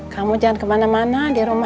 kamu jangan kemana mana